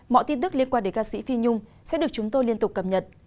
mọi tin tức liên quan đến ca sĩ phi nhung sẽ được chúng tôi liên tục cập nhật